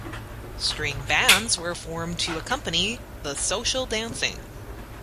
String bands were formed to accompany the social dancing.